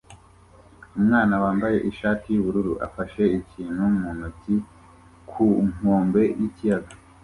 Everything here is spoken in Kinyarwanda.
Umwana wambaye ishati yubururu afashe ikintu mu ntoki ku nkombe yikiyaga